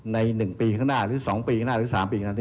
ในหนึ่งปีข้างหน้าหรือสองปีข้างหน้าหรือสามปีข้างหน้า